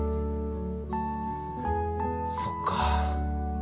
そっか。